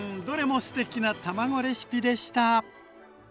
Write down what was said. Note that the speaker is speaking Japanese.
どれもすてきな卵レシピでした。